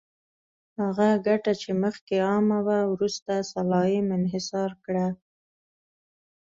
هغه ګټه چې مخکې عامه وه، وروسته سلایم انحصار کړه.